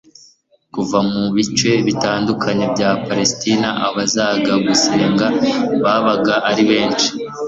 Kuva mu bice bitandukanye bya Palesitina, abazaga gusenga babaga ari benshi.